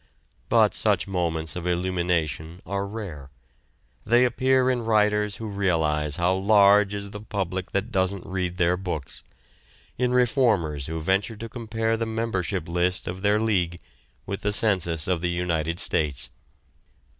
But such moments of illumination are rare. They appear in writers who realize how large is the public that doesn't read their books, in reformers who venture to compare the membership list of their league with the census of the United States.